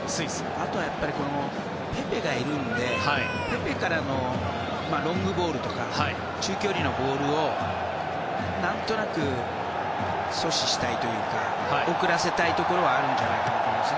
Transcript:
あとはやっぱりペペがいるのでペペからのロングボールとか中距離のボールを何となく阻止したいというか遅らせたいところはあるんじゃないかと思いますね。